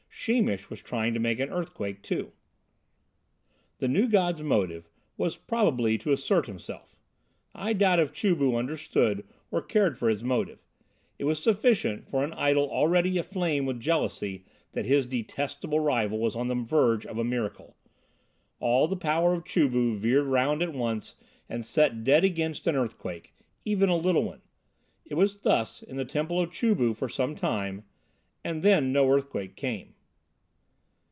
Sheemish was trying to make an earthquake too. The new god's motive was probably to assert himself. I doubt if Chu bu understood or cared for his motive; it was sufficient for an idol already aflame with jealousy that his detestable rival was on the verge of a miracle. All the power of Chu bu veered round at once and set dead against an earthquake, even a little one. It was thus in the temple of Chu bu for some time, and then no earthquake came.